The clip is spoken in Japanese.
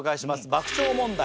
爆笑問題。